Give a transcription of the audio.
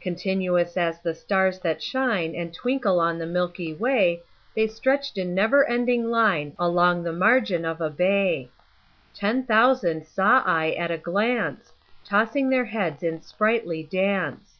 Continuous as the stars that shine And twinkle on the milky way, The stretched in never ending line Along the margin of a bay: Ten thousand saw I at a glance, Tossing their heads in sprightly dance.